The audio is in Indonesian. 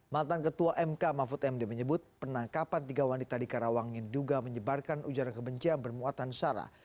mantan ketua mk mahfud md menyebut penangkapan tiga wanita di karawang yang diduga menyebarkan ujaran kebencian bermuatan sara